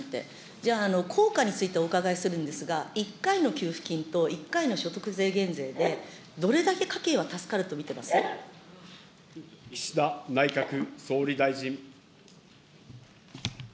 じゃあ、効果についてお伺いするんですが、１回の給付金と１回の所得税減税で、どれだけ家計は助かると見て岸田内閣総理大臣。